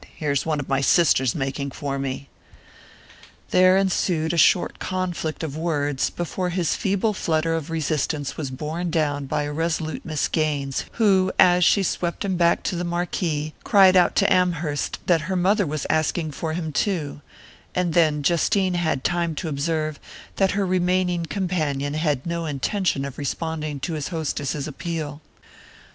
Here's one of my sisters making for me!" There ensued a short conflict of words, before his feeble flutter of resistance was borne down by a resolute Miss Gaines who, as she swept him back to the marquee, cried out to Amherst that her mother was asking for him too; and then Justine had time to observe that her remaining companion had no intention of responding to his hostess's appeal.